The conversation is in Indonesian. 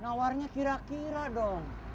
nawarnya kira kira dong